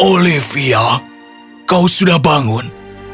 olivia kau sudah bangun